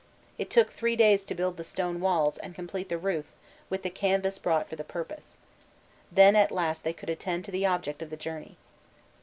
It took three days to build the stone walls and complete the roof with the canvas brought for the purpose. Then at last they could attend to the object of the journey.